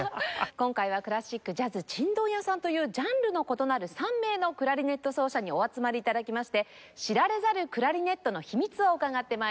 今回はクラシックジャズチンドン屋さんというジャンルの異なる３名のクラリネット奏者にお集まり頂きまして知られざるクラリネットの秘密を伺って参ります。